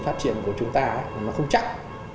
phát triển của chúng ta mà không chắc